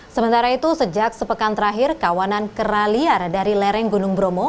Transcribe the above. sementara itu sejak sepekan terakhir kawanan kera liar dari lereng gunung bromo